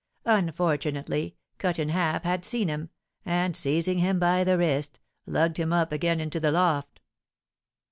Unfortunately, Cut in Half had seen him, and, seizing him by the wrist, lugged him up again into the loft.